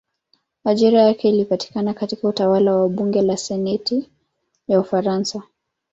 Ajira yake ilipatikana katika utawala wa bunge la senati ya Ufaransa.